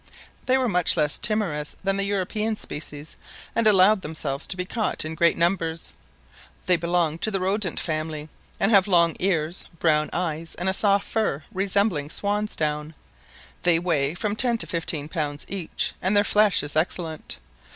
They were much less timorous than the European species, and allowed themselves to be caught in great numbers. They belong to the rodent family, and have long ears, brown eyes, and a soft fur resembling swan's down. They weigh from ten to fifteen pounds each, and their flesh is excellent.